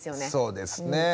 そうですね。